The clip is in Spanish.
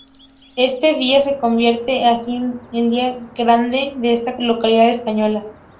Este día se convierte así en el día grande de esta localidad española.